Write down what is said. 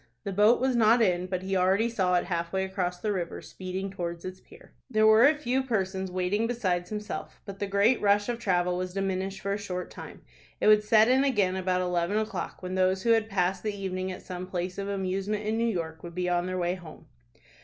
The boat was not in, but he already saw it halfway across the river, speeding towards its pier. There were a few persons waiting besides himself, but the great rush of travel was diminished for a short time. It would set in again about eleven o'clock when those who had passed the evening at some place of amusement in New York would be on their way home.